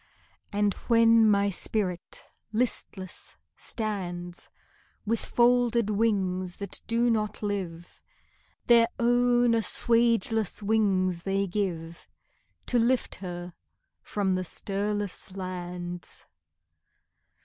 And when my spirit listless stands, With folded wings that do not live, Their own assuageless wings they give To lift her from the stirless lands.